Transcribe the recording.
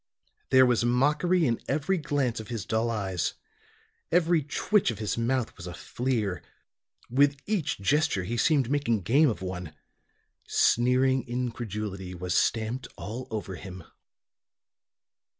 There was mockery in every glance of his dull eyes; every twitch of his mouth was a fleer; with each gesture he seemed making game of one; sneering incredulity was stamped all over him."